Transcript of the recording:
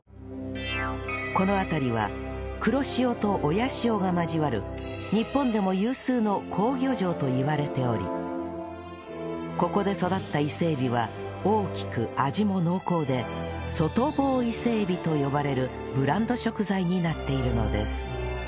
この辺りは黒潮と親潮が交わる日本でも有数の好漁場といわれておりここで育った伊勢エビは大きく味も濃厚で外房イセエビと呼ばれるブランド食材になっているのです